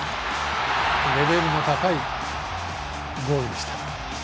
レベルの高いゴールでした。